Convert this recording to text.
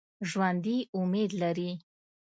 ژوندي امید لري